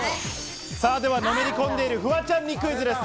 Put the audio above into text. では、のめり込んでいるフワちゃんにクイズです。